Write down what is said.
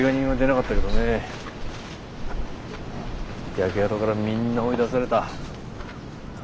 焼け跡からみんな追い出された。